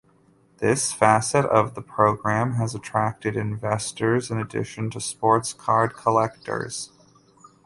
This facet of the program has attracted investors in addition to sports card collectors.